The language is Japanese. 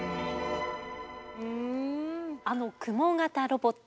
あのクモ型ロボット